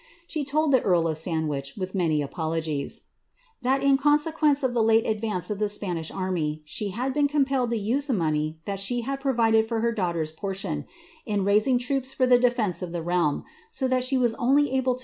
1 the earl of Sandwich, with many apologies, ^ that in conse the late advance of the Spanish army, she had been compelled money that she hud provided for her daughter's portion, in )ps for the defence of the realm, so that she was only able to